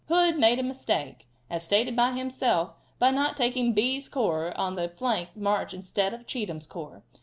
Hood made a mistake, as stated by himself, in not taking Bee's corps on the flank march instead of Cheatham's corps.